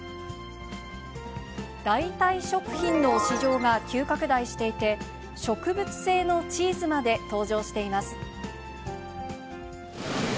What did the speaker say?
代替食品の市場が急拡大していて、植物性のチーズまで登場しています。